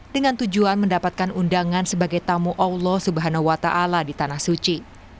dengan tujuan mendapatkan undangan sebagai tamu allah swt di tanah suci